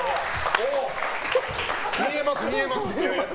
見えます、見えます。